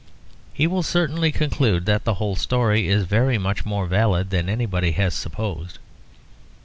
He will certainly conclude that the whole story is very much more valid than anybody has supposed.